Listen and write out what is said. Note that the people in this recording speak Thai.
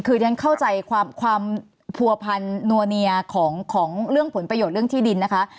คือฉันเข้าใจความผัวพันนัวเนียของเรื่องผลประโยชน์เรื่องที่ดินนะคะ